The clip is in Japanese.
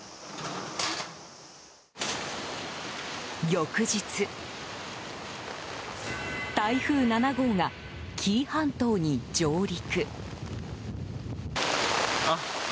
翌日、台風７号が紀伊半島に上陸。